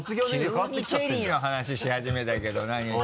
急にチェリーの話し始めたけど何？